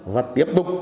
và tiếp tục